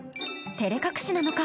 照れ隠しなのか